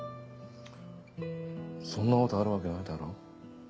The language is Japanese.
そんなことあるわけないだろ。